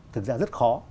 thực ra rất khó